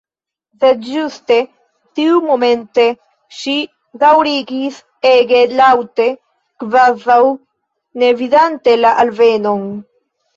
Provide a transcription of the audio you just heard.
Sed ĝuste tiumomente ŝi daŭrigis ege laŭte, kvazaŭ ne vidante la alvenon.